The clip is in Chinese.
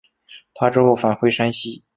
他之后返回山西。